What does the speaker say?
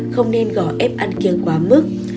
ba không nên gỏ ép ăn kiếng quá mức